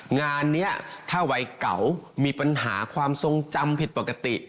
งานนี้ถ้าวัยเก่ามีปัญหาความทรงจำผิดปกติ